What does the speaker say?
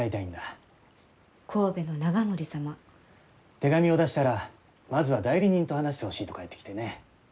手紙を出したらまずは代理人と話してほしいと返ってきてね。